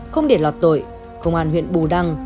không để lọt tội công an huyện bù đăng